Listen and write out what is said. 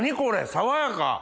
爽やか。